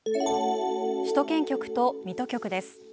首都圏局と水戸局です。